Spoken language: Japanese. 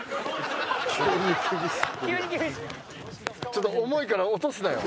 ちょっと重いから落とすなよ？